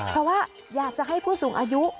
เพราะว่าอยากจะให้ผู้สูงอายุ